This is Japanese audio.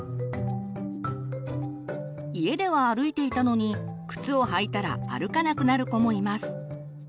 家では歩いていたのに靴を履いたら歩かなくなる子もいます。